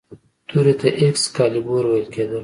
تورې ته ایکس کالیبور ویل کیدل.